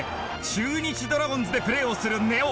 中日ドラゴンズでプレーをする根尾。